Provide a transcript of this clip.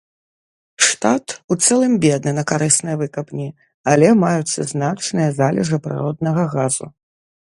Штат у цэлым бедны на карысныя выкапні, але маюцца значныя залежы прыроднага газу.